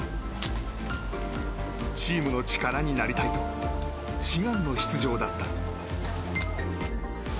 チームの力になりたいと志願の出場だった。